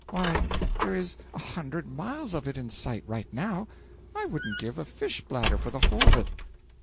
Why, there is a hundred miles of it in sight, right now. I wouldn't give a fish bladder for the whole of it.'